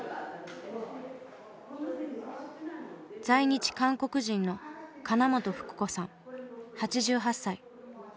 在日韓国人の金本福子さん８８歳。